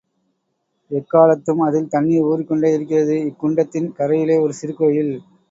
எக்காலத்தும் அதில் தண்ணீர் ஊறிக் கொண்டே இருக்கிறது இக்குண்டத்தின் கரையிலே ஒரு சிறு கோயில்.